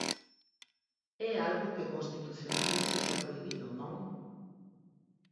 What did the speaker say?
É algo que constitucionalmente está prohibido, ¿non?